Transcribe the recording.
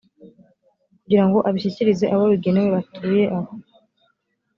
kugira ngo abishyikirize abo bigenewe batuye aho